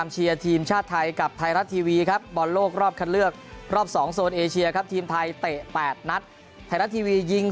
เช่นชื่อกันตุ๊กว่าโดโกนิดเต็มอย่าพอดี